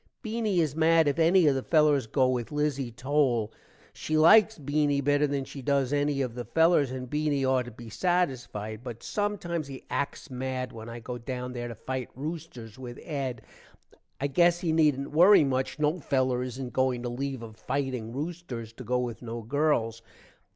Beany is mad if enny of the fellers go with Lizzie Towle. she likes Beany better than she does enny of the fellers and Beany ought to be satisfied, but sometimes he acks mad when i go down there to fite roosters with Ed. i gess he needent worry much, no feller isnt going to leave of fiting roosters to go with no girls.